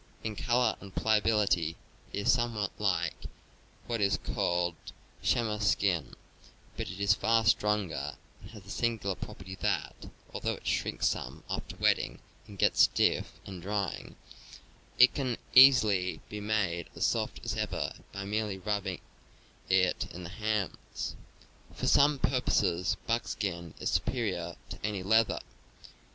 In color and pliability it is somewhat like what is called chamois skin, but it is far stronger and has the singular property that, although it shrinks some after wetting and gets stiff in drying, it can easily be made as soft as ever by merely rubbing it in the hands. For some purposes buckskin is superior to any leather.